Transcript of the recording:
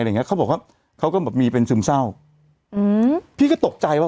เขาบอกว่าเขาก็แบบมีเป็นซึมเศร้าอืมพี่ก็ตกใจว่า